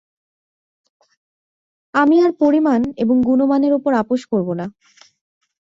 আমি আর পরিমাণ এবং গুণমানের উপর আপোষ করবো না।